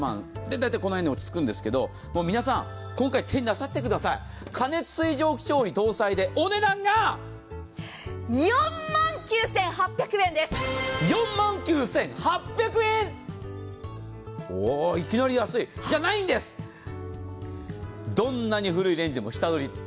大体この辺に落ち着くんですけど、今回皆さん、手になさってください過熱水蒸気調理搭載でお値段が４万９８００円、いきなり安い！じゃないんです、どんなに古いレンジも下取り。